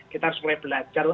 kita harus mulai belajar